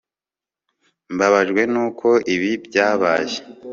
mbabajwe nuko ibi byabaye